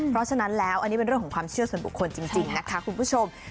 เพราะฉะนั้นแล้วอันนี้เป็นเรื่องของความเชื่อส่วนบุคคลจริงนะคะคุณผู้ชม